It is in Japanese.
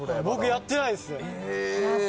僕やってないです。